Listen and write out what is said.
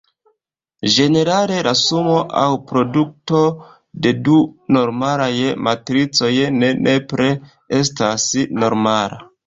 Ĝenerale, la sumo aŭ produto de du normalaj matricoj ne nepre estas normala.